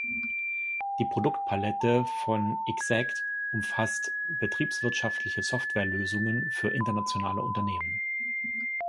Die Produktpalette von Exact umfasst betriebswirtschaftliche Softwarelösungen für internationale Unternehmen.